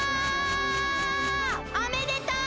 おめでとう！